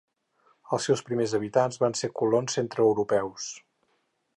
Els seus primers habitants van ser colons centreeuropeus.